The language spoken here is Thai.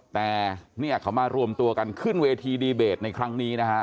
แต่นี่ก็มารวมตัวกันขึ้นเวทีตอบแรกต่อในครั้งนี้นะฮะ